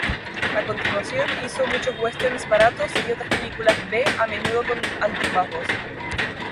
A continuación, hizo muchos westerns baratos y otras películas B, a menudo con altibajos.